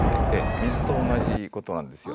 水と同じことなんですよ。